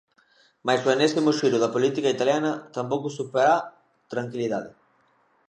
Mais o enésimo xiro da política italiana tampouco suporá tranquilidade.